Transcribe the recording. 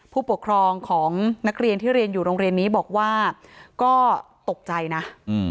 ผู้ปกครองของนักเรียนที่เรียนอยู่โรงเรียนนี้บอกว่าก็ตกใจนะ